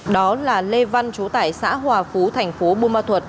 đó là lê văn chú tại xã hòa phú thành phố bùa ma thuật